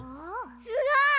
すごい！